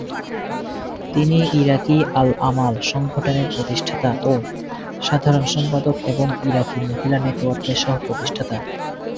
তিনি Iraqi Al Amal সংগঠনের প্রতিষ্ঠাতা ও সাধারণ সম্পাদক এবং ইরাকি মহিলা নেটওয়ার্কের সহ-প্রতিষ্ঠাতা।